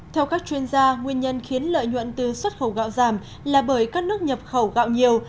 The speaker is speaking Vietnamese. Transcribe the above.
theo các chuyên gia nguyên nhân khiến lợi nhuận từ xuất khẩu gạo giảm là bởi các nước nhập khẩu gạo nhiều